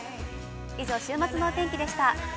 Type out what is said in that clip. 以上、週末のお天気でした。